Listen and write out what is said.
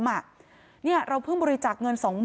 แต่เราก็พอจะมีกำลังบริจาคช่วยเหลือสังคม